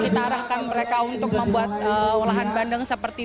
kita arahkan mereka untuk membuat olahan bandeng seperti